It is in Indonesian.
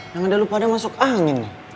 yang ada lu pada masuk angin